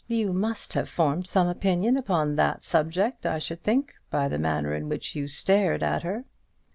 You must have formed some opinion upon that subject, I should think, by the manner in which you stared at her."